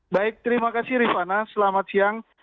baik terima kasih rifana selamat siang